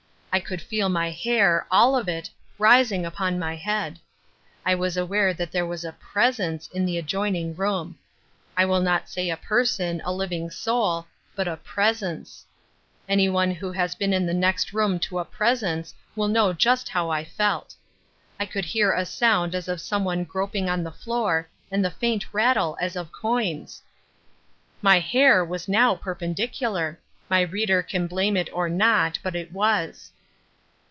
I could feel my hair, all of it, rising upon my head. I was aware that there was a presence in the adjoining room, I will not say a person, a living soul, but a presence. Anyone who has been in the next room to a presence will know just how I felt. I could hear a sound as of some one groping on the floor and the faint rattle as of coins. My hair was now perpendicular. My reader can blame it or not, but it was.